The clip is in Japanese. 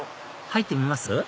入ってみます？